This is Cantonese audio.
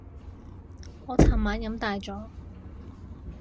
我尋晚飲大咗